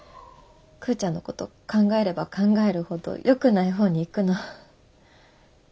クウちゃんのこと考えれば考えるほどよくない方に行くの。